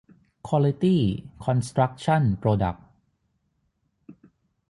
ควอลิตี้คอนสตรัคชั่นโปรดัคส์